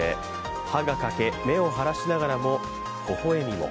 歯が欠け、目を腫らしながらもほほ笑みも。